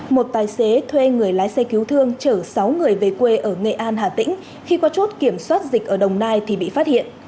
một tài xế thuê người lái xe cứu thương chở sáu người về quê ở nghệ an hà tĩnh khi có chốt kiểm soát dịch ở đồng nai thì bị phát hiện